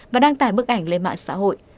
và đăng tải bức ảnh lên mạng xã hội